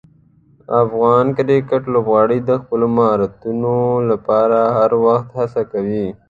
افغان کرکټ لوبغاړي د خپلو مهارتونو لپاره هر وخت هڅه کوي.